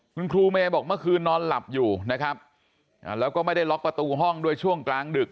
คุณครูเมย์บอกเมื่อคืนนอนหลับอยู่นะครับแล้วก็ไม่ได้ล็อกประตูห้องด้วยช่วงกลางดึก